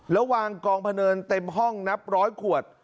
แล้ววางกองพะเนินเต็มห้องนับร้อยขวด